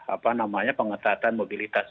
apa namanya pengetatan mobilitas